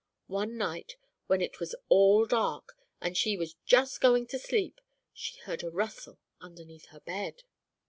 One night, when it was all dark and she was just going to sleep, she heard a rustle underneath her bed."